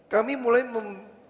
kami mulai mempunyai